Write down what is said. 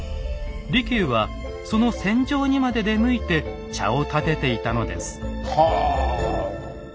利休はその戦場にまで出向いて茶をたてていたのです。